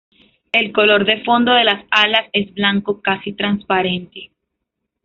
El color de fondo de las alas es blanco, casi transparente.